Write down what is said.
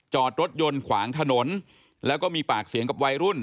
จอดรถยนต์ขวางถนนแล้วก็มีปากเสียงกับวัยรุ่น